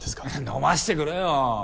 飲ませてくれよ。